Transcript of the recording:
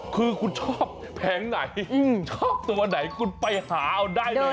คือคุณชอบแผงไหนชอบตัวไหนคุณไปหาเอาได้เลย